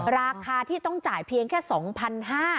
ราคาที่ต้องจ่ายเพียงแค่๒๕๐๐บาท